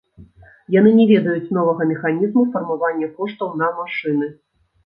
Яны не ведаюць новага механізму фармавання коштаў на машыны.